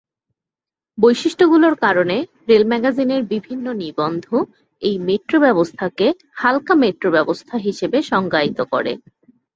বৈশিষ্ট্যগুলির কারণে, রেল ম্যাগাজিনের বিভিন্ন নিবন্ধ এই মেট্রো ব্যবস্থাকে হালকা মেট্রো ব্যবস্থা হিসেবে সংজ্ঞায়িত করে।